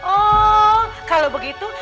oh kalau begitu